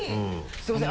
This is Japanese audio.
すみません